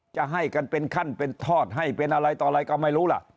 จะให้กันเป็นขั้นเป็นทอดให้เป็นอะไรต่ออะไรก็ไม่รู้ล่ะ